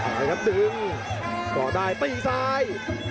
นะครับดึงก็ได้ตีซ้าย